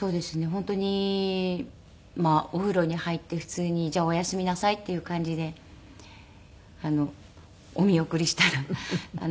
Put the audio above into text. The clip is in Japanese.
本当にお風呂に入って普通にじゃあおやすみなさいっていう感じでお見送りしたらそのまま倒れて。